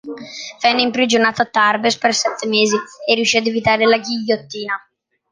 Venne imprigionato a Tarbes per sette mesi e riuscì ad evitare la ghigliottina.